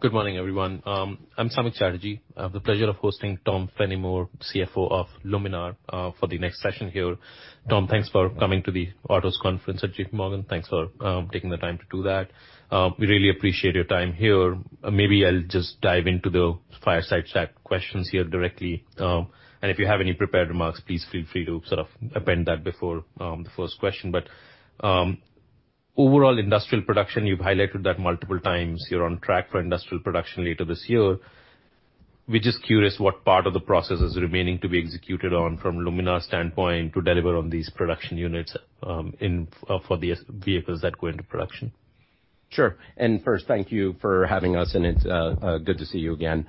Good morning, everyone. I'm Samik Chatterjee. I have the pleasure of hosting Tom Fennimore, CFO of Luminar, for the next session here. Tom, thanks for coming to the Autos Conference at JPMorgan. Thanks for taking the time to do that. We really appreciate your time here. Maybe I'll just dive into the fireside chat questions here directly. If you have any prepared remarks, please feel free to sort of append that before the first question. Overall industrial production, you've highlighted that multiple times. You're on track for industrial production later this year. We're just curious what part of the process is remaining to be executed on from Luminar's standpoint, to deliver on these production units, in, for the vehicles that go into production. Sure. First, thank you for having us, and it's good to see you again.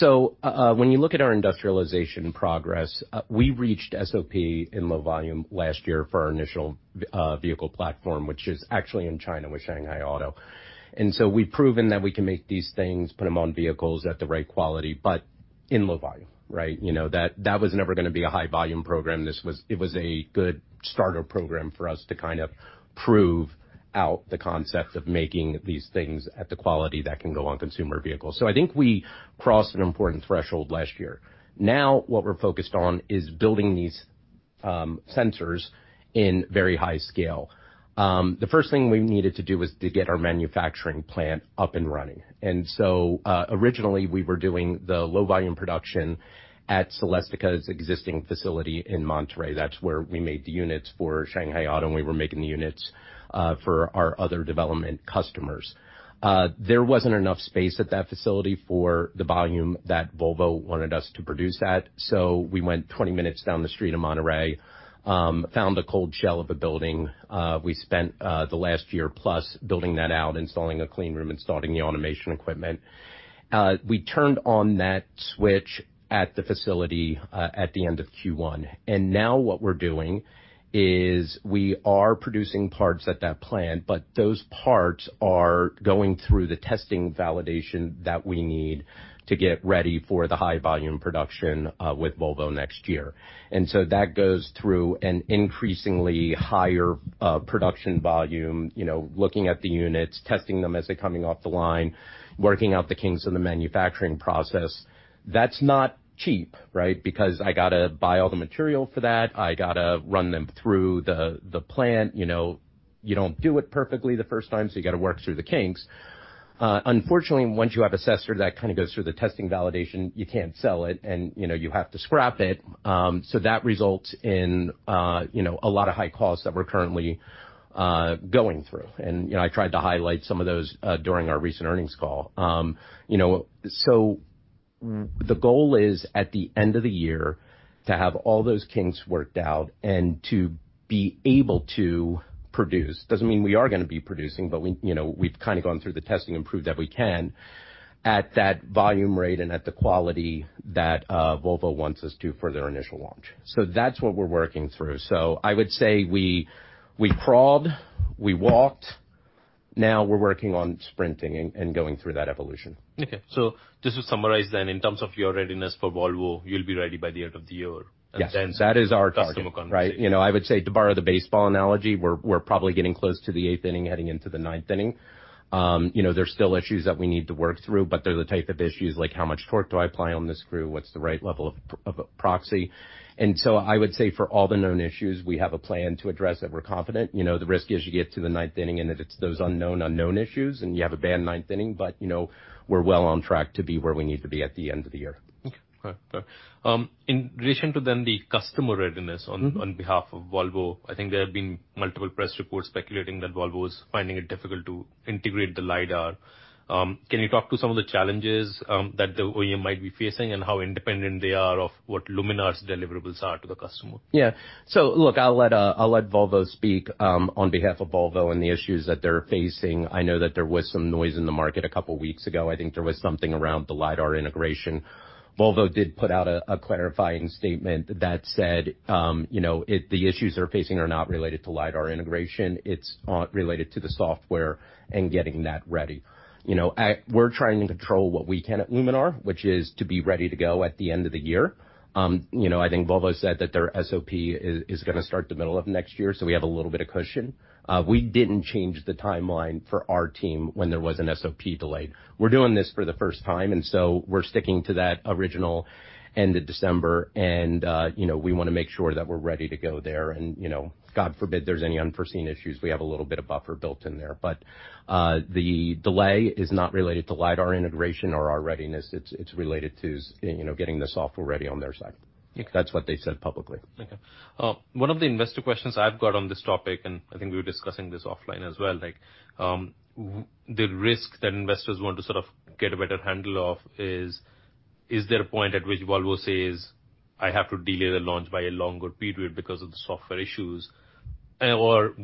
When you look at our industrialization progress, we reached SOP in low volume last year for our initial vehicle platform, which is actually in China with SAIC Motor. We've proven that we can make these things, put them on vehicles at the right quality, but in low volume, right? You know, that, that was never gonna be a high volume program. This was it was a good starter program for us to kind of prove out the concept of making these things at the quality that can go on consumer vehicles. I think we crossed an important threshold last year. What we're focused on is building these sensors in very high scale. The first thing we needed to do was to get our manufacturing plant up and running. Originally we were doing the low volume production at Celestica's existing facility in Monterey. That's where we made the units for SAIC Motor, and we were making the units for our other development customers. There wasn't enough space at that facility for the volume that Volvo wanted us to produce at, so we went 20 minutes down the street in Monterey, found a cold shell of a building. We spent the last year plus building that out, installing a clean room, installing the automation equipment. We turned on that switch at the facility at the end of Q1. Now what we're doing is we are producing parts at that plant, but those parts are going through the testing validation that we need to get ready for the high volume production with Volvo next year. So that goes through an increasingly higher production volume, you know, looking at the units, testing them as they're coming off the line, working out the kinks in the manufacturing process. That's not cheap, right? Because I gotta buy all the material for that. I gotta run them through the, the plant. You know, you don't do it perfectly the first time, so you got to work through the kinks. Unfortunately, once you have a sensor that kind of goes through the testing validation, you can't sell it and, you know, you have to scrap it. That results in, you know, a lot of high costs that we're currently going through. You know, I tried to highlight some of those during our recent earnings call. You know, the goal is, at the end of the year, to have all those kinks worked out and to be able to produce. Doesn't mean we are gonna be producing, but we, you know, we've kind of gone through the testing and proved that we can at that volume rate and at the quality that Volvo wants us to for their initial launch. That's what we're working through. I would say we, we crawled, we walked, now we're working on sprinting and, and going through that evolution. Okay, just to summarize then, in terms of your readiness for Volvo, you'll be ready by the end of the year? Yes, that is our target. Customer conversation. Right. You know, I would say, to borrow the baseball analogy, we're, we're probably getting close to the eighth inning, heading into the ninth inning. You know, there's still issues that we need to work through, but they're the type of issues like, how much torque do I apply on this screw? What's the right level of, of proxy? So I would say for all the known issues, we have a plan to address that we're confident. You know, the risk is you get to the ninth inning, and it's those unknown, unknown issues, and you have a bad ninth inning. You know, we're well on track to be where we need to be at the end of the year. Okay, got it. In relation to then the customer readiness- Mm-hmm. On behalf of Volvo, I think there have been multiple press reports speculating that Volvo is finding it difficult to integrate the lidar. Can you talk to some of the challenges that the OEM might be facing and how independent they are of what Luminar's deliverables are to the customer? Yeah. Look, I'll let Volvo speak on behalf of Volvo and the issues that they're facing. I know that there was some noise in the market a couple weeks ago. I think there was something around the lidar integration. Volvo did put out a clarifying statement that said, you know, the issues they're facing are not related to lidar integration. It's related to the software and getting that ready. You know, we're trying to control what we can at Luminar, which is to be ready to go at the end of the year. You know, I think Volvo said that their SOP is gonna start the middle of next year, so we have a little bit of cushion. We didn't change the timeline for our team when there was an SOP delay. We're doing this for the first time, and so we're sticking to that original end of December, and, you know, we wanna make sure that we're ready to go there and, you know, God forbid, there's any unforeseen issues, we have a little bit of buffer built in there. The delay is not related to lidar integration or our readiness. It's, it's related to, you know, getting the software ready on their side. Okay. That's what they said publicly. Okay. One of the investor questions I've got on this topic, and I think we were discussing this offline as well, like, the risk that investors want to sort of get a better handle of is: Is there a point at which Volvo says, "I have to delay the launch by a longer period because of the software issues?"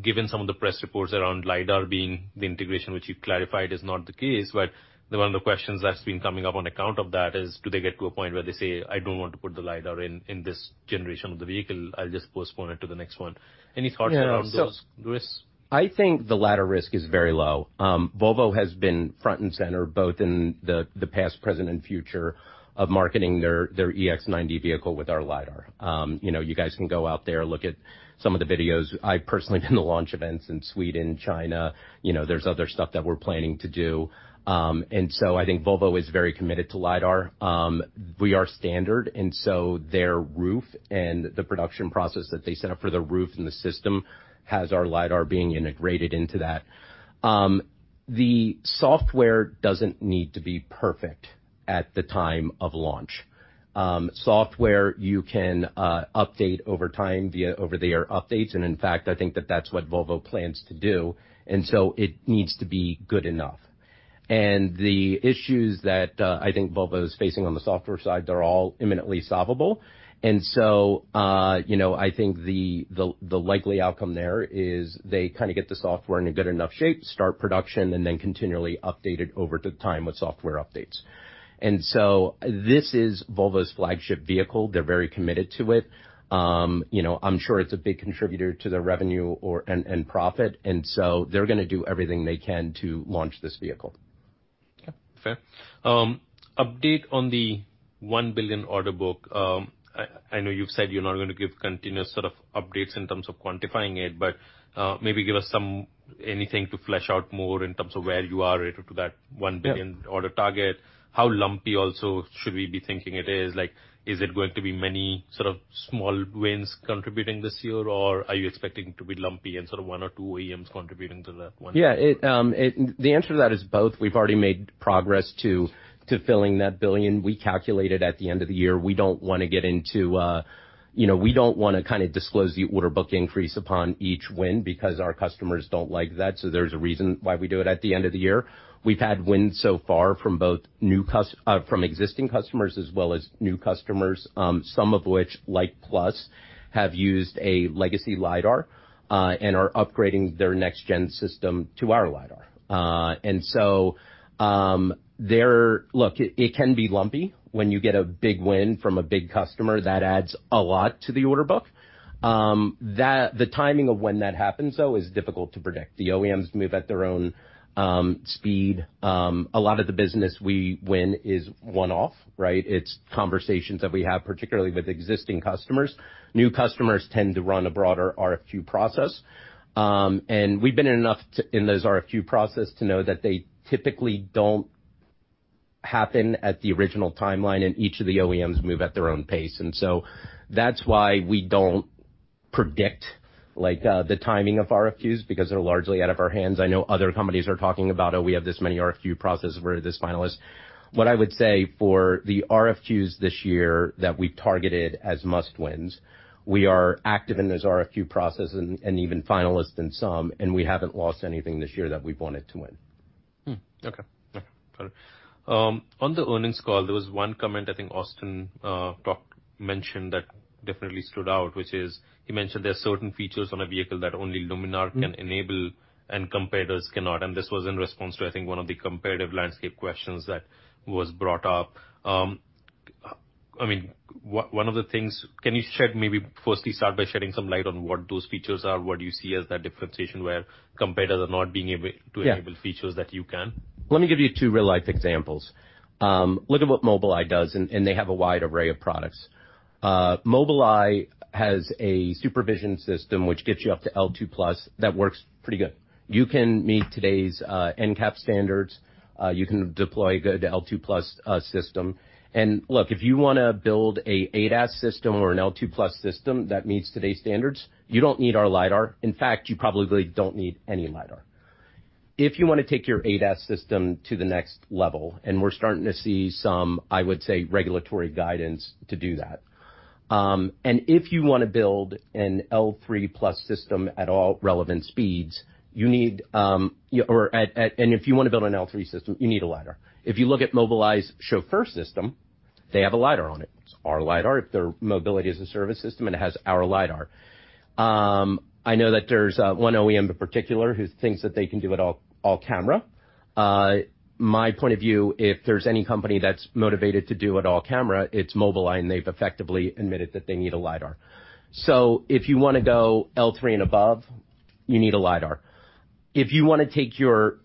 Given some of the press reports around lidar being the integration, which you clarified is not the case, but one of the questions that's been coming up on account of that is: Do they get to a point where they say, "I don't want to put the lidar in, in this generation of the vehicle, I'll just postpone it to the next one"? Any thoughts around those risks? I think the latter risk is very low. Volvo has been front and center, both in the past, present, and future of marketing their EX90 vehicle with our lidar. You know, you guys can go out there, look at some of the videos. I've personally been to launch events in Sweden, China. You know, there's other stuff that we're planning to do. I think Volvo is very committed to lidar. We are standard, and so their roof and the production process that they set up for the roof and the system has our lidar being integrated into that. The software doesn't need to be perfect at the time of launch. Software you can update over time via over-the-air updates, and in fact, I think that that's what Volvo plans to do, and so it needs to be good enough. The issues that I think Volvo is facing on the software side, they're all imminently solvable. You know, I think the, the, the likely outcome there is they kinda get the software in a good enough shape, start production, and then continually update it over the time with software updates. This is Volvo's flagship vehicle. They're very committed to it. You know, I'm sure it's a big contributor to their revenue or, and, and profit, and so they're gonna do everything they can to launch this vehicle. Okay, fair. Update on the $1 billion order book. I, I know you've said you're not gonna give continuous sort of updates in terms of quantifying it, but maybe give us anything to flesh out more in terms of where you are relative to that $1 billion? Yeah. -order target. How lumpy also should we be thinking it is? Like, is it going to be many sort of small wins contributing this year, or are you expecting it to be lumpy and sort of one or two OEMs contributing to that one? Yeah. It, the answer to that is both. We've already made progress to, to filling that $1 billion. We calculate it at the end of the year. We don't wanna get into, you know, we don't wanna kinda disclose the order book increase upon each win because our customers don't like that, so there's a reason why we do it at the end of the year. We've had wins so far from both new, from existing customers as well as new customers, some of which, like Plus, have used a legacy lidar, and are upgrading their next gen system to our lidar. Look, it can be lumpy when you get a big win from a big customer, that adds a lot to the order book. That, the timing of when that happens, though, is difficult to predict. The OEMs move at their own speed. A lot of the business we win is one-off, right? It's conversations that we have, particularly with existing customers. New customers tend to run a broader RFQ process, and we've been in enough to, in those RFQ process to know that they typically don't happen at the original timeline, and each of the OEMs move at their own pace. So that's why we don't predict, like, the timing of RFQs, because they're largely out of our hands. I know other companies are talking about, oh, we have this many RFQ processes, we're this finalist. What I would say for the RFQs this year that we targeted as must wins, we are active in those RFQ processes and even finalists in some, and we haven't lost anything this year that we've wanted to win. Okay. Yeah, got it. On the earnings call, there was one comment, I think Austin talked, mentioned, that definitely stood out, which is, he mentioned there are certain features on a vehicle that only Luminar can enable and competitors cannot, and this was in response to, I think, one of the competitive landscape questions that was brought up. I mean, one of the things. Can you shed, maybe firstly, start by shedding some light on what those features are, what you see as that differentiation where competitors are not? Yeah. to enable features that you can? Let me give you two real-life examples. Look at what Mobileye does, and, and they have a wide array of products. Mobileye has a supervision system which gets you up to L2+ that works pretty good. You can meet today's NCAP standards, you can deploy a good L2+ system. Look, if you wanna build a ADAS system or an L2+ system that meets today's standards, you don't need our lidar. In fact, you probably don't need any lidar. If you want to take your ADAS system to the next level, and we're starting to see some, I would say, regulatory guidance to do that, and if you want to build an L3+ system at all relevant speeds, you need, and if you want to build an L3 system, you need a lidar. If you look at Mobileye Chauffeur system, they have a lidar on it. It's our lidar. Their mobility is a service system, it has our lidar. I know that there's one OEM in particular who thinks that they can do it all, all camera. My point of view, if there's any company that's motivated to do it all camera, it's Mobileye, and they've effectively admitted that they need a lidar. If you wanna go L3 and above, you need a lidar. If you want to take your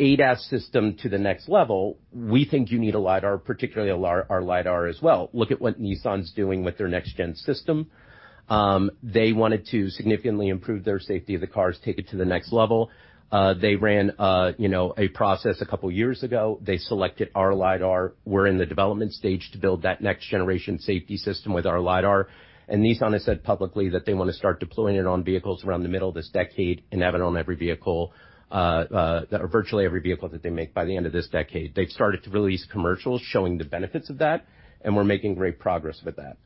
ADAS system to the next level, we think you need a lidar, particularly our lidar as well. Look at what Nissan's doing with their next gen system. They wanted to significantly improve their safety of the cars, take it to the next level. They ran, you know, a process a couple of years ago. They selected our lidar. We're in the development stage to build that next generation safety system with our lidar, and Nissan has said publicly that they want to start deploying it on vehicles around the middle of this decade, and have it on every vehicle that or virtually every vehicle that they make by the end of this decade. They've started to release commercials showing the benefits of that, and we're making great progress with that.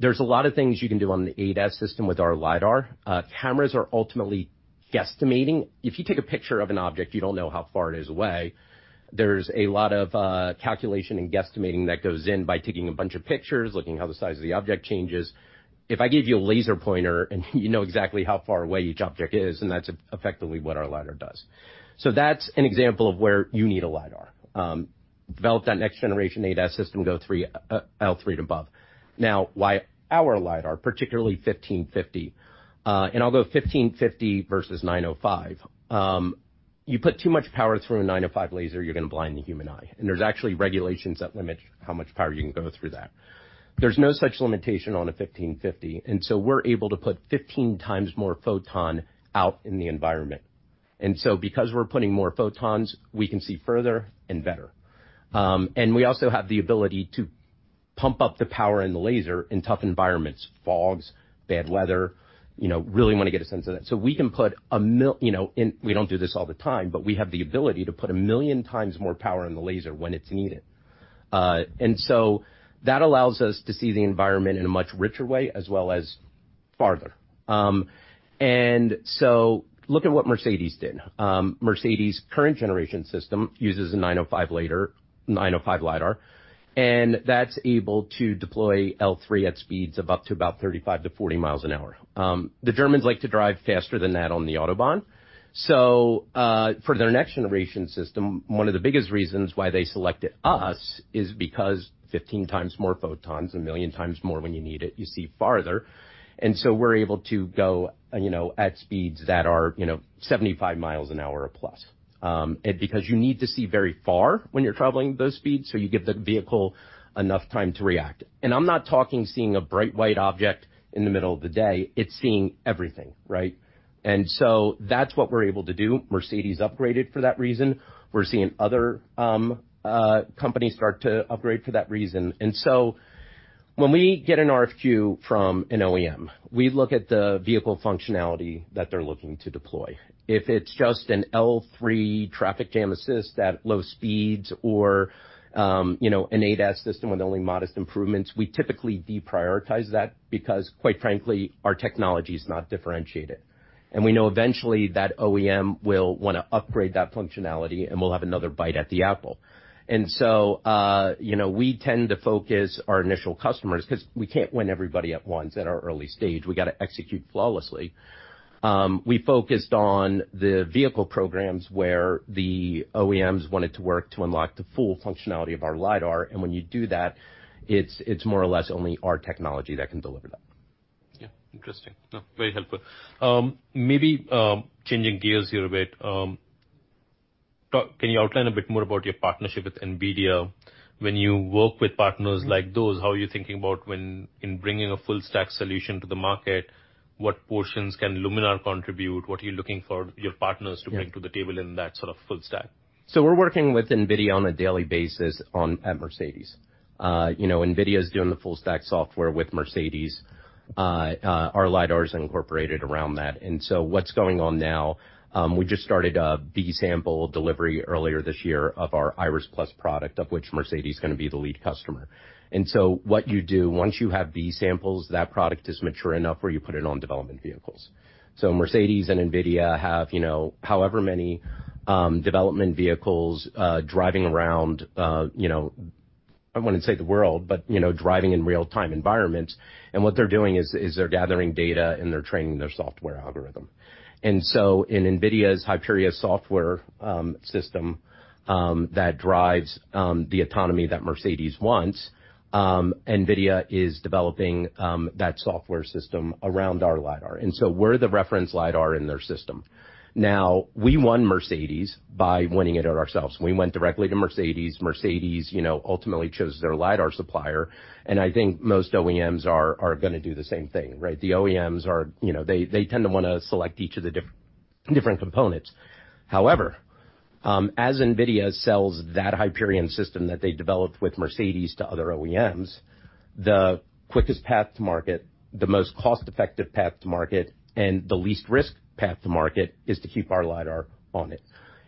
There's a lot of things you can do on the ADAS system with our lidar. Cameras are ultimately guesstimating. If you take a picture of an object, you don't know how far it is away. There's a lot of calculation and guesstimating that goes in by taking a bunch of pictures, looking how the size of the object changes. If I give you a laser pointer, and you know exactly how far away each object is, and that's effectively what our lidar does. That's an example of where you need a lidar. Develop that next generation ADAS system, L3 and above. Why our lidar, particularly 1550 nm, and although 1550 nm versus 905 nm, you put too much power through a 905 nm laser, you're gonna blind the human eye, and there's actually regulations that limit how much power you can go through that. There's no such limitation on a 1550 nm. We're able to put 15 times more photon out in the environment. Because we're putting more photons, we can see further and better. We also have the ability to pump up the power in the laser in tough environments, fogs, bad weather, you know, really want to get a sense of that. We can put, you know, and we don't do this all the time, but we have the ability to put 1 million times more power in the laser when it's needed. That allows us to see the environment in a much richer way as well as farther. Look at what Mercedes-Benz did. Mercedes-Benz' current generation system uses a 905 later, 905 lidar, and that's able to deploy L3 at speeds of up to about 35-40 miles an hour. The Germans like to drive faster than that on the Autobahn. For their next generation system, one of the biggest reasons why they selected us is because 15 times more photons, 1 million times more when you need it, you see farther. We're able to go, you know, at speeds that are, you know, 75 miles an hour plus. Because you need to see very far when you're traveling at those speeds, so you give the vehicle enough time to react. I'm not talking, seeing a bright white object in the middle of the day, it's seeing everything, right? That's what we're able to do. Mercedes-Benz upgraded for that reason. We're seeing other companies start to upgrade for that reason. When we get an RFQ from an OEM, we look at the vehicle functionality that they're looking to deploy. If it's just an L3 traffic jam assist at low speeds or, you know, an ADAS system with only modest improvements, we typically deprioritize that because, quite frankly, our technology is not differentiated. We know eventually that OEM will wanna upgrade that functionality, and we'll have another bite at the apple. You know, we tend to focus our initial customers because we can't win everybody at once in our early stage. We got to execute flawlessly. We focused on the vehicle programs where the OEMs wanted to work to unlock the full functionality of our lidar, and when you do that, it's, it's more or less only our technology that can deliver that. Yeah, interesting. No, very helpful. Maybe, changing gears here a bit. Can you outline a bit more about your partnership with NVIDIA? When you work with partners like those, how are you thinking about when, in bringing a full stack solution to the market, what portions can Luminar contribute? What are you looking for your partners. Yeah. bring to the table in that sort of full stack? We're working with NVIDIA on a daily basis on, at Mercedes-Benz. You know, NVIDIA is doing the full stack software with Mercedes-Benz. Our lidar is incorporated around that. What's going on now, we just started a B-sample delivery earlier this year of our Iris+ product, of which Mercedes-Benz is gonna be the lead customer. What you do once you have B-samples, that product is mature enough where you put it on development vehicles. Mercedes-Benz and NVIDIA have, you know, however many, development vehicles, driving around, you know, I wouldn't say the world, but, you know, driving in real-time environments. What they're doing is, is they're gathering data, and they're training their software algorithm. In NVIDIA's Hyperion software system, that drives the autonomy that Mercedes-Benz wants, NVIDIA is developing that software system around our lidar. We're the reference lidar in their system. Now, we won Mercedes-Benz by winning it ourselves. We went directly to Mercedes-Benz. Mercedes-Benz, you know, ultimately chose their lidar supplier, and I think most OEMs are gonna do the same thing, right? The OEMs are, you know, they, they tend to wanna select each of the different components. However, as NVIDIA sells that Hyperion system that they developed with Mercedes-Benz to other OEMs, the quickest path to market, the most cost-effective path to market, and the least risk path to market is to keep our lidar on it.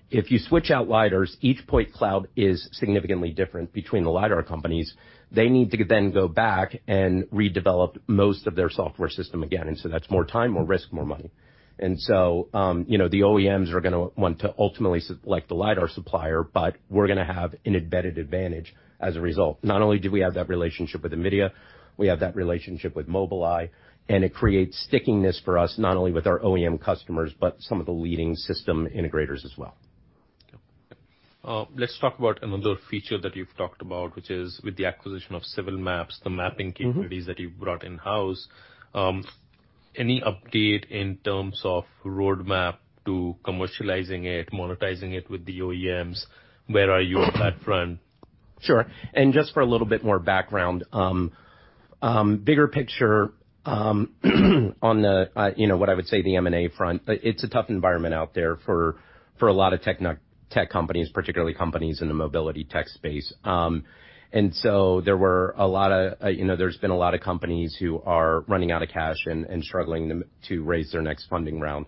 If you switch out lidars, each point cloud is significantly different between the lidar companies. They need to then go back and redevelop most of their software system again, so that's more time, more risk, more money. So, you know, the OEMs are gonna want to ultimately select the lidar supplier, but we're gonna have an embedded advantage as a result. Not only do we have that relationship with NVIDIA, we have that relationship with Mobileye, it creates stickiness for us, not only with our OEM customers, but some of the leading system integrators as well. Let's talk about another feature that you've talked about, which is with the acquisition of Civil Maps, the mapping capabilities- Mm-hmm. that you've brought in-house. Any update in terms of roadmap to commercializing it, monetizing it with the OEMs? Where are you on that front? Sure. Just for a little bit more background, bigger picture, on the, you know, what I would say, the M&A front, it's a tough environment out there for, for a lot of tech companies, particularly companies in the mobility tech space. There were a lot of, you know, there's been a lot of companies who are running out of cash and, and struggling to, to raise their next funding round.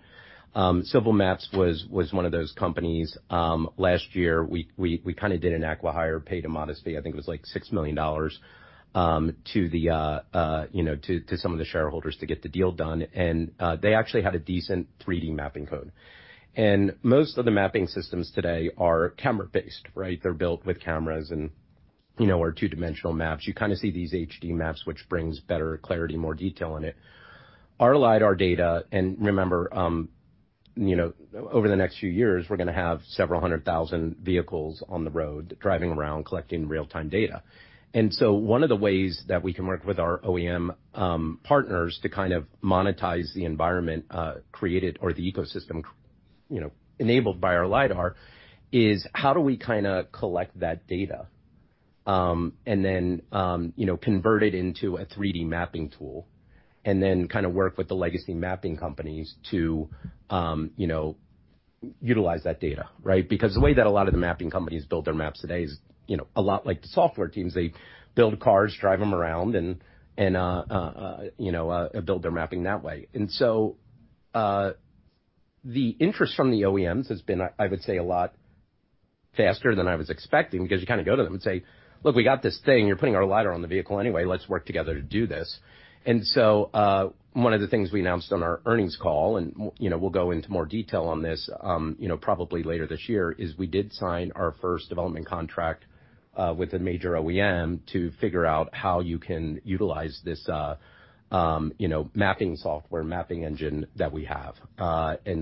Civil Maps was, was one of those companies. Last year, we, we, we kinda did an acqui-hire, paid a modest fee. I think it was like $6 million, to the, you know, to, to some of the shareholders to get the deal done, and they actually had a decent 3D mapping code. Most of the mapping systems today are camera-based, right? They're built with cameras and, you know, are two-dimensional maps. You kinda see these HD maps, which brings better clarity, more detail in it. Our lidar data, remember, you know, over the next few years, we're gonna have several hundred thousand vehicles on the road, driving around, collecting real-time data. So one of the ways that we can work with our OEM partners to kind of monetize the environment created or the ecosystem, you know, enabled by our lidar is: How do we kinda collect that data, and then, you know, convert it into a 3D mapping tool, and then kinda work with the legacy mapping companies to utilize that data, right? Because the way that a lot of the mapping companies build their maps today is, you know, a lot like the software teams. They build cars, drive them around, and, and, you know, build their mapping that way. The interest from the OEMs has been, I would say, a lot faster than I was expecting, because you kind of go to them and say: Look, we got this thing. You're putting our lidar on the vehicle anyway. Let's work together to do this. One of the things we announced on our earnings call, and, you know, we'll go into more detail on this, you know, probably later this year, is we did sign our first development contract with a major OEM to figure out how you can utilize this, you know, mapping software, mapping engine that we have. You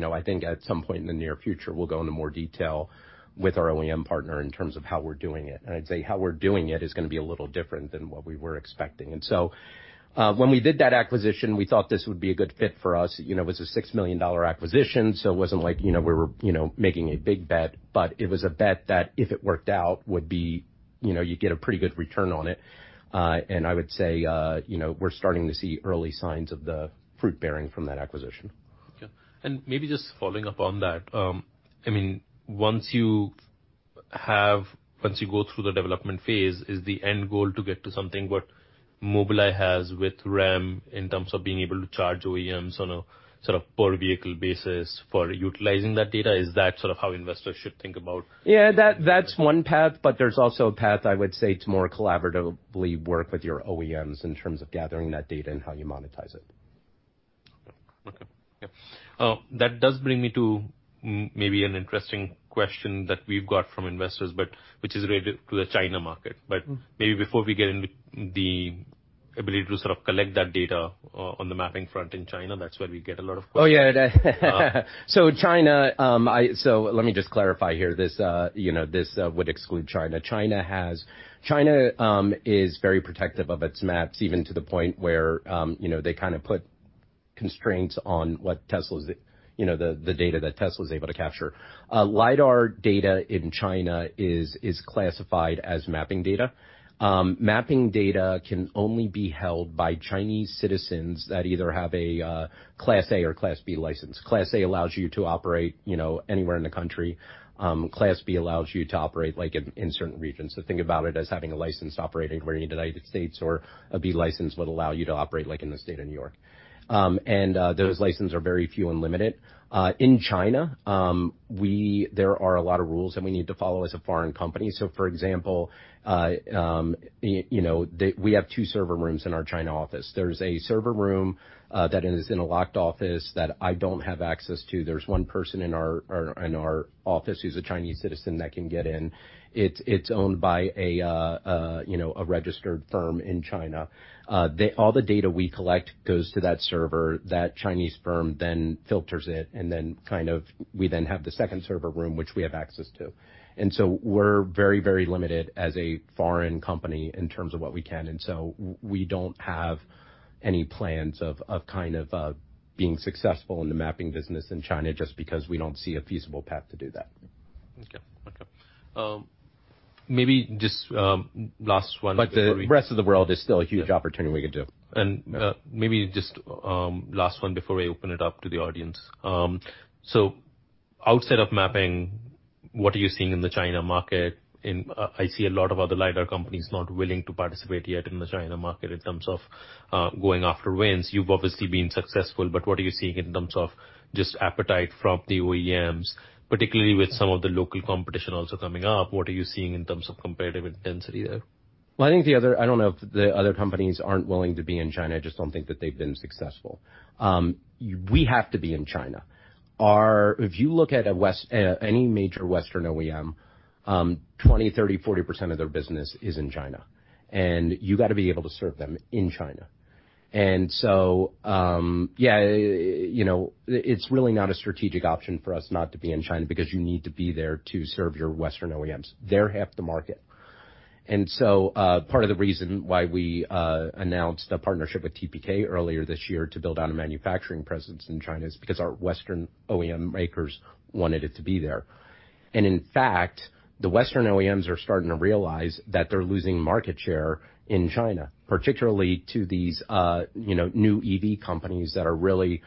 know, I think at some point in the near future, we'll go into more detail with our OEM partner in terms of how we're doing it. I'd say how we're doing it is gonna be a little different than what we were expecting. When we did that acquisition, we thought this would be a good fit for us. You know, it was a $6 million acquisition, it wasn't like, you know, we were, you know, making a big bet, but it was a bet that if it worked out, would be, you know, you'd get a pretty good return on it. I would say, you know, we're starting to see early signs of the fruit bearing from that acquisition. Okay. maybe just following up on that, I mean, once you go through the development phase, is the end goal to get to something what Mobileye has with REM, in terms of being able to charge OEMs on a sort of per vehicle basis for utilizing that data? Is that sort of how investors should think about? Yeah, that, that's one path. There's also a path, I would say, to more collaboratively work with your OEMs in terms of gathering that data and how you monetize it. Okay. Yep. That does bring me to maybe an interesting question that we've got from investors, but which is related to the China market. Maybe before we get into the ability to sort of collect that data on the mapping front in China, that's where we get a lot of questions. Oh, yeah. China, let me just clarify here. This, you know, this would exclude China. China is very protective of its maps, even to the point where, you know, they kind of put constraints on what Tesla's, you know, the, the data that Tesla is able to capture. lidar data in China is, is classified as mapping data. Mapping data can only be held by Chinese citizens that either have a Class A or Class B license. Class A allows you to operate, you know, anywhere in the country. Class B allows you to operate, like, in, in certain regions. Think about it as having a license operating where in the United States or a B license would allow you to operate, like in the state of New York. Those licenses are very few and limited. In China, we, there are a lot of rules that we need to follow as a foreign company. For example, you know, we have 2 server rooms in our China office. There's a server room that is in a locked office that I don't have access to. There's 1 person in our, in our office who's a Chinese citizen that can get in. It's, it's owned by a, you know, a registered firm in China. They, all the data we collect goes to that server. That Chinese firm then filters it, and then, kind of, we then have the second server room, which we have access to. We're very, very limited as a foreign company in terms of what we can, and so we don't have any plans of, of kind of being successful in the mapping business in China, just because we don't see a feasible path to do that. Okay. Okay. Maybe just, last one- The rest of the world is still a huge opportunity we can do. Maybe just last one before we open it up to the audience. Outside of mapping, what are you seeing in the China market? I see a lot of other lidar companies not willing to participate yet in the China market in terms of going after wins. You've obviously been successful, but what are you seeing in terms of just appetite from the OEMs, particularly with some of the local competition also coming up? What are you seeing in terms of competitive intensity there? Well, I think the other I don't know if the other companies aren't willing to be in China. I just don't think that they've been successful. We have to be in China. If you look at a West, any major Western OEM, 20%, 30%, 40% of their business is in China, and you've got to be able to serve them in China. Yeah, you know, it's really not a strategic option for us not to be in China, because you need to be there to serve your Western OEMs. They're half the market. Part of the reason why we announced a partnership with TPK earlier this year to build out a manufacturing presence in China is because our Western OEM makers wanted it to be there. In fact, the Western OEMs are starting to realize that they're losing market share in China, particularly to these, you know, new EV companies that are really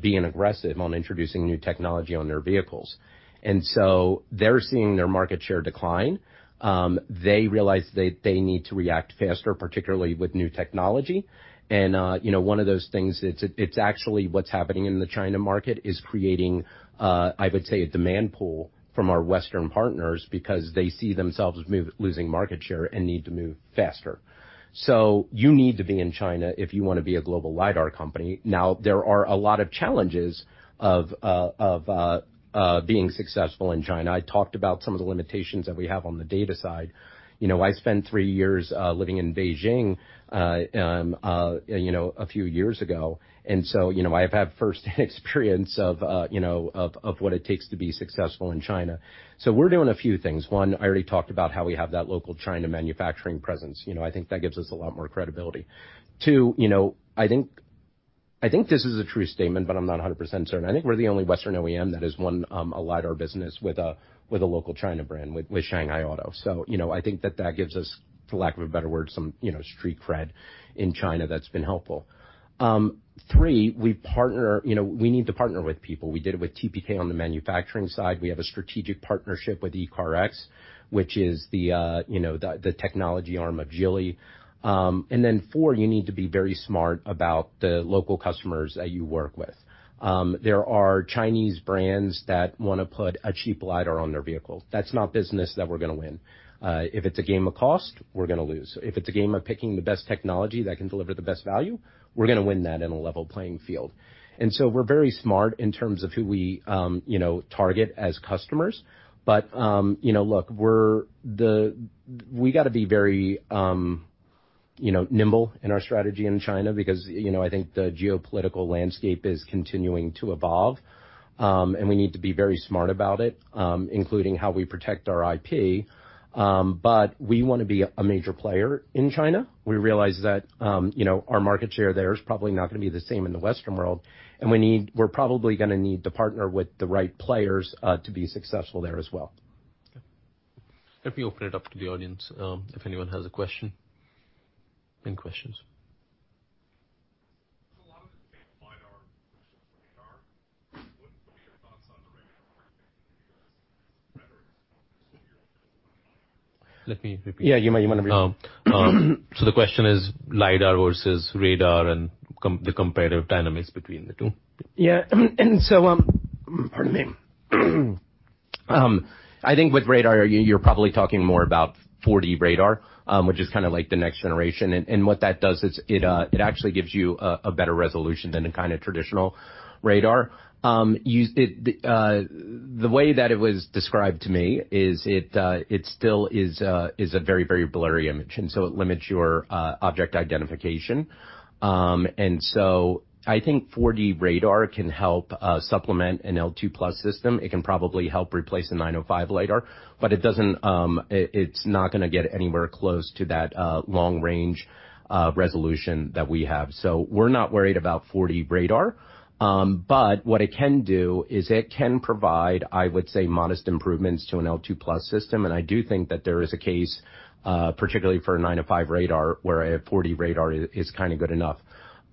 being aggressive on introducing new technology on their vehicles. They're seeing their market share decline. They realize they need to react faster, particularly with new technology. You know, one of those things, it's actually what's happening in the China market, is creating, I would say, a demand pull from our Western partners because they see themselves move, losing market share and need to move faster. You need to be in China if you want to be a global lidar company. Now, there are a lot of challenges of being successful in China. I talked about some of the limitations that we have on the data side. You know, I spent three years living in Beijing, you know, a few years ago, you know, I've had first-hand experience of, you know, of, of what it takes to be successful in China. We're doing a few things. One, I already talked about how we have that local China manufacturing presence. You know, I think that gives us a lot more credibility. Two, you know, I think this is a true statement, but I'm not 100% certain. I think we're the only Western OEM that has won a lidar business with a local China brand, with SAIC Motor. You know, I think that that gives us, for lack of a better word, some, you know, street cred in China that's been helpful. Three, we partner, you know, we need to partner with people. We did it with TPK on the manufacturing side. We have a strategic partnership with ECARX, which is the, you know, the technology arm of Geely. Then four, you need to be very smart about the local customers that you work with. There are Chinese brands that wanna put a cheap lidar on their vehicle. That's not business that we're gonna win. If it's a game of cost, we're gonna lose. If it's a game of picking the best technology that can deliver the best value, we're gonna win that in a level playing field. So we're very smart in terms of who we, you know, target as customers. You know, look, we're gotta be very, you know, nimble in our strategy in China because, you know, I think the geopolitical landscape is continuing to evolve. We need to be very smart about it, including how we protect our IP. We wanna be a major player in China. We realize that, you know, our market share there is probably not gonna be the same in the Western world, we're probably gonna need to partner with the right players to be successful there as well. Okay. Let me open it up to the audience, if anyone has a question. Any questions? A lot of the lidar versus radar, what would be your thoughts on the radar versus lidar? Let me repeat. Yeah, you might wanna repeat. The question is lidar versus radar and the comparative dynamics between the two. Yeah, so, pardon me. I think with radar, you're, you're probably talking more about 4D radar, which is kind of like the next generation. What that does is it, it actually gives you a, a better resolution than a kind of traditional radar. The way that it was described to me is it, it still is a very, very blurry image, and so it limits your object identification. So I think 4D radar can help supplement an L2+ system. It can probably help replace a 905 nm lidar, but it doesn't, it's not going to get anywhere close to that long range resolution that we have. We're not worried about 4D radar. What it can do is it can provide, I would say, modest improvements to an L2+ system, and I do think that there is a case, particularly for a 905 radar, where a 4D radar is, is kinda good enough.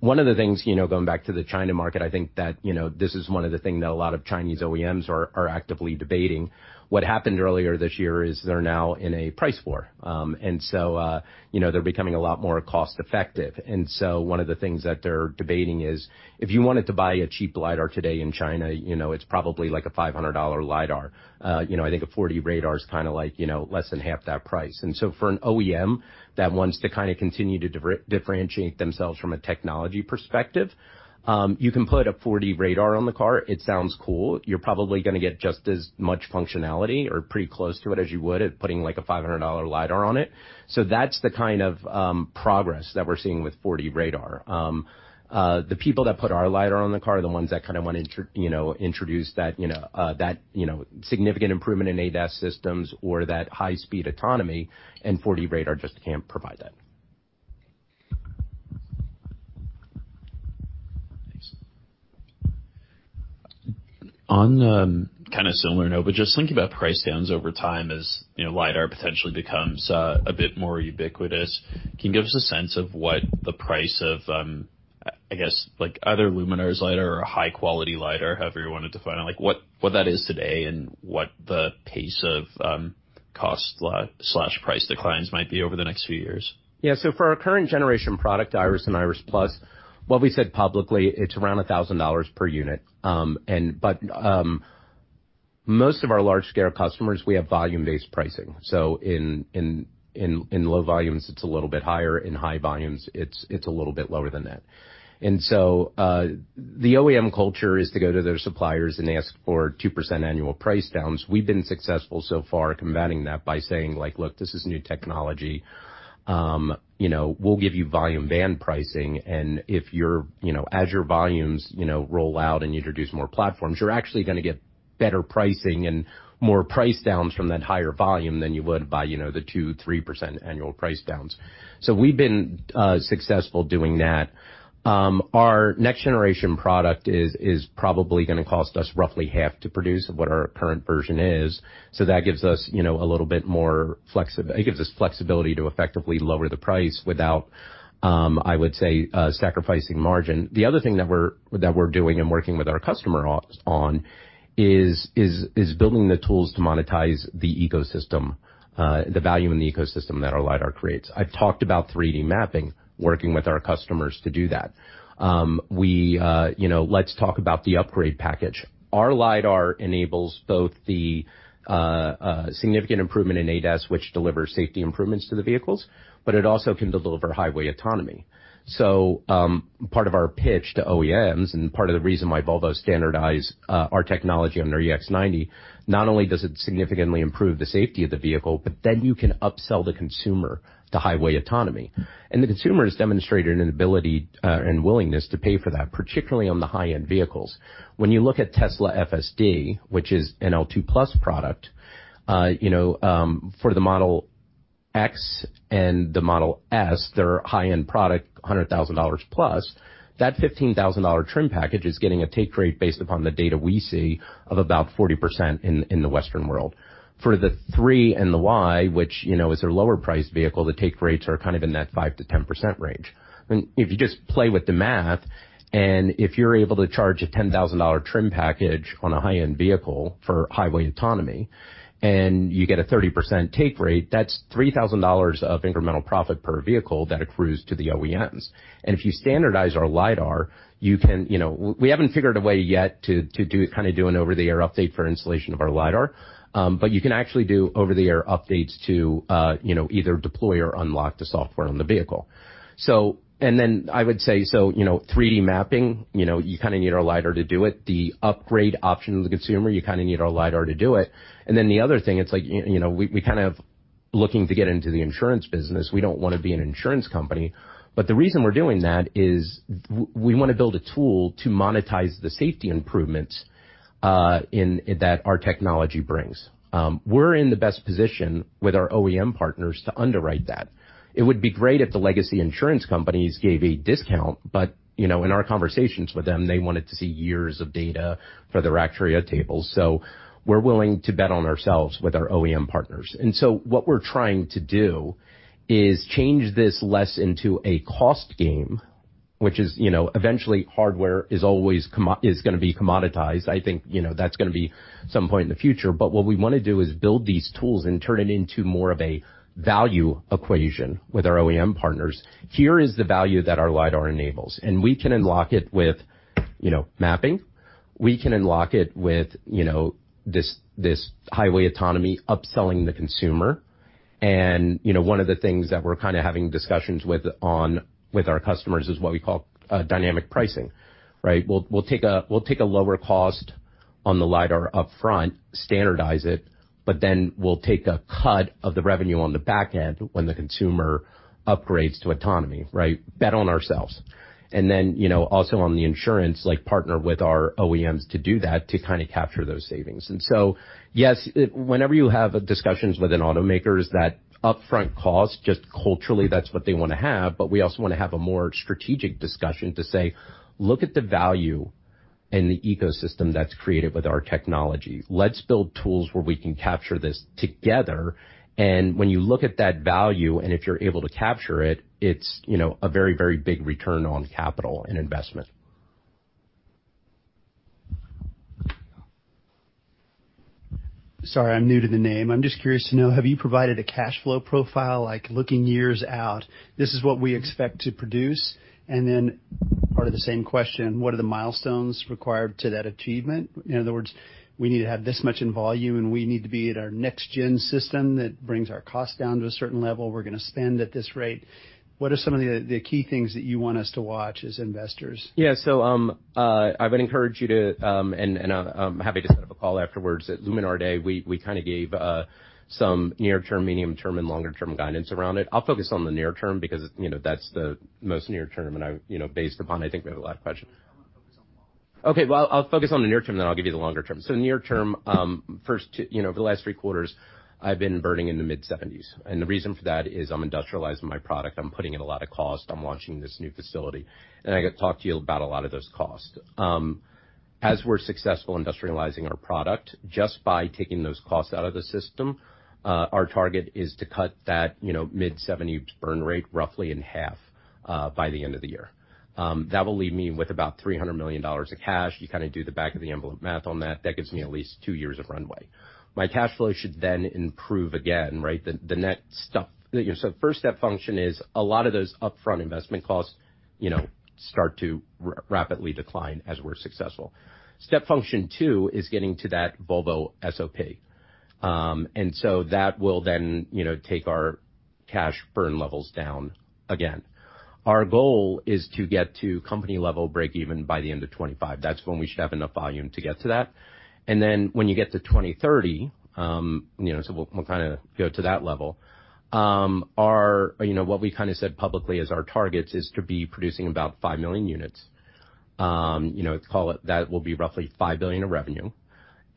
One of the things, you know, going back to the China market, I think that, you know, this is one of the things that a lot of Chinese OEMs are, are actively debating. What happened earlier this year is they're now in a price war. They're becoming a lot more cost-effective. One of the things that they're debating is, if you wanted to buy a cheap lidar today in China, you know, it's probably like a $500 lidar. You know, I think a 4D radar is like, you know, less than half that price. For an OEM that wants to continue to differentiate themselves from a technology perspective, you can put a 4D radar on the car. It sounds cool. You're probably gonna get just as much functionality or pretty close to it as you would at putting, like, a $500 lidar on it. That's the kind of progress that we're seeing with 4D radar. The people that put our lidar on the car are the ones that wanna you know, introduce that, you know, that, you know, significant improvement in ADAS systems or that high speed autonomy and 4D radar just can't provide that. Thanks. On a kinda similar note, just thinking about price downs over time as, you know, lidar potentially becomes a bit more ubiquitous. Can you give us a sense of what the price of, I guess, like, either Luminar's lidar or a high-quality lidar, however you wanted to define it, like, what that is today and what the pace of cost/price declines might be over the next few years? Yeah. So for our current generation product, Iris and Iris+, what we said publicly, it's around $1,000 per unit. Most of our large-scale customers, we have volume-based pricing. In low volumes, it's a little bit higher. In high volumes, it's, it's a little bit lower than that. The OEM culture is to go to their suppliers and ask for 2% annual price downs. We've been successful so far combating that by saying, like: Look, this is new technology, you know, we'll give you volume band pricing, and if your, you know, as your volumes, you know, roll out and you introduce more platforms, you're actually gonna get better pricing and more price downs from that higher volume than you would by, you know, the 2%-3% annual price downs. We've been successful doing that. Our next generation product is, is probably gonna cost us roughly half to produce what our current version is, so that gives us, you know, a little bit more it gives us flexibility to effectively lower the price without, I would say, sacrificing margin. The other thing that we're, that we're doing and working with our customer on, is, is, is building the tools to monetize the ecosystem, the value in the ecosystem that our lidar creates. I've talked about 3D mapping, working with our customers to do that. We, you know, let's talk about the upgrade package. Our lidar enables both the significant improvement in ADAS, which delivers safety improvements to the vehicles, but it also can deliver highway autonomy. Part of our pitch to OEMs and part of the reason why Volvo standardized our technology on their EX90, not only does it significantly improve the safety of the vehicle, but then you can upsell the consumer to highway autonomy. The consumer has demonstrated an ability and willingness to pay for that, particularly on the high-end vehicles. When you look at Tesla FSD, which is an L2+ product, you know, for the Model X and the Model S, their high-end product, $100,000+, that $15,000 trim package is getting a take rate based upon the data we see of about 40% in the Western world. For the three and the Y, which, you know, is their lower priced vehicle, the take rates are kind of in that 5%-10% range. If you just play with the math, and if you're able to charge a $10,000 trim package on a high-end vehicle for highway autonomy, and you get a 30% take rate, that's $3,000 of incremental profit per vehicle that accrues to the OEMs. If you standardize our lidar, you can, you know, we haven't figured a way yet to do kind of do an over-the-air update for installation of our lidar, but you can actually do over-the-air updates to, you know, either deploy or unlock the software on the vehicle. And then I would say so, you know, 3D mapping, you know, you kind of need our lidar to do it. The upgrade option of the consumer, you kind of need our lidar to do it. The other thing, it's like, you know, we kind of looking to get into the insurance business. We don't want to be an insurance company. The reason we're doing that is we want to build a tool to monetize the safety improvements in that our technology brings. We're in the best position with our OEM partners to underwrite that. It would be great if the legacy insurance companies gave a discount, but, you know, in our conversations with them, they wanted to see years of data for their actuarial tables. We're willing to bet on ourselves with our OEM partners. What we're trying to do is change this less into a cost game, which is, you know, eventually hardware is always gonna be commoditized. I think, you know, that's gonna be some point in the future, but what we want to do is build these tools and turn it into more of a value equation with our OEM partners. Here is the value that our lidar enables, and we can unlock it with, you know, mapping. We can unlock it with, you know, this, this highway autonomy, upselling the consumer. You know, one of the things that we're kind of having discussions with on, with our customers is what we call dynamic pricing, right? We'll, we'll take a, we'll take a lower cost on the lidar upfront, standardize it, but then we'll take a cut of the revenue on the back end when the consumer upgrades to autonomy, right? Bet on ourselves. You know, also on the insurance, like, partner with our OEMs to do that, to kind of capture those savings. Yes, whenever you have discussions with an automaker, is that upfront cost, just culturally, that's what they want to have, but we also want to have a more strategic discussion to say: look at the value and the ecosystem that's created with our technology. Let's build tools where we can capture this together, and when you look at that value, and if you're able to capture it, it's, you know, a very, very big return on capital and investment. Sorry, I'm new to the name. I'm just curious to know, have you provided a cash flow profile, like looking years out, this is what we expect to produce? Part of the same question, what are the milestones required to that achievement? In other words, we need to have this much in volume, and we need to be at our next gen system that brings our cost down to a certain level. We're gonna spend at this rate. What are some of the key things that you want us to watch as investors? Yeah. I would encourage you to, and, and I'm happy to set up a call afterwards. At Luminar Day, we, we kind of gave some near term, medium term, and longer term guidance around it. I'll focus on the near term because, you know, that's the most near term, and I, you know, based upon I think we have a lot of questions. I want to focus on long. Okay, well, I'll focus on the near term. I'll give you the longer term. Near term, first to, you know, the last three quarters, I've been burning in the mid-seventies. The reason for that is I'm industrializing my product. I'm putting in a lot of cost. I'm launching this new facility. I got to talk to you about a lot of those costs. As we're successful industrializing our product, just by taking those costs out of the system, our target is to cut that, you know, mid-seventies burn rate roughly in half by the end of the year. That will leave me with about $300 million of cash. You kind of do the back-of-the-envelope math on that. That gives me at least two years of runway. My cash flow should then improve again, right? The, the next step... First step function is a lot of those upfront investment costs, you know, start to rapidly decline as we're successful. Step function two is getting to that Volvo SOP. That will then, you know, take our cash burn levels down again. Our goal is to get to company level break even by the end of 2025. That's when we should have enough volume to get to that. When you get to 2030, you know, we'll, we'll kind of go to that level. Our, you know, what we kind of said publicly as our targets is to be producing about 5 million units. You know, call it, that will be roughly $5 billion of revenue,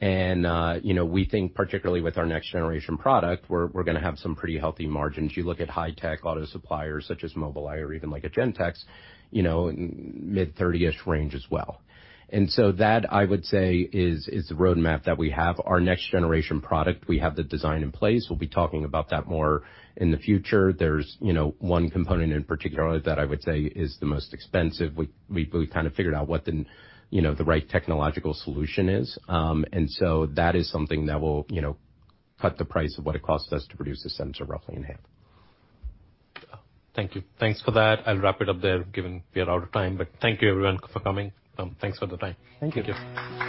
and, you know, we think particularly with our next generation product, we're, we're gonna have some pretty healthy margins. You look at high tech auto suppliers such as Mobileye or even like a Gentex, you know, mid-thirtyish range as well. So that, I would say is, is the roadmap that we have. Our next generation product, we have the design in place. We'll be talking about that more in the future. There's, you know, one component in particular that I would say is the most expensive. We, we, we kind of figured out what the, you know, the right technological solution is. So that is something that will, you know, cut the price of what it costs us to produce the sensor roughly in half. Thank you. Thanks for that. I'll wrap it up there, given we are out of time, but thank you everyone for coming. Thanks for the time. Thank you.